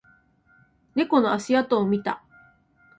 猫の足跡を見た